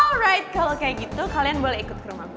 alright kalo kayak gitu kalian boleh ikut ke rumah gue